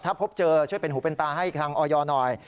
ถ้าพบเจอช่วยเป็นหูเป็นตาให้ทางออยหน่อย